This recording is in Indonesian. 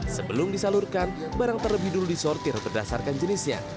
sebelum disalurkan barang terlebih dulu disortir berdasarkan jenisnya